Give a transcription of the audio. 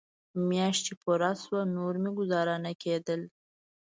مياشت چې پوره سوه نور مې گوزاره نه کېده.